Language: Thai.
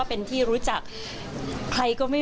ผลประจังเนอะ